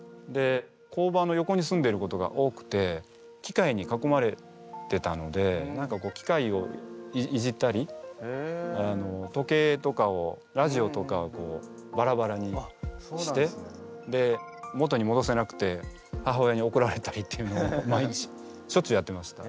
工場の横に住んでることが多くて機械にかこまれてたので機械をいじったり時計とかをラジオとかをバラバラにして元にもどせなくて母親におこられたりっていうのを毎日しょっちゅうやってました。